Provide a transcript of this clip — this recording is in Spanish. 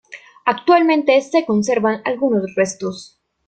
Actualmente se conservan algunos restos.